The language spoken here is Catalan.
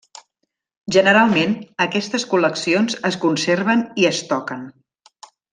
Generalment, aquestes col·leccions es conserven i es toquen.